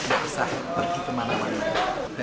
nggak usah pergi kemana mana